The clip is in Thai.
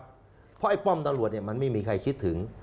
มีหลายรอบมากครับเพราะไอ้ป้อมตำรวจเนี่ยมันไม่มีใครคิดถึง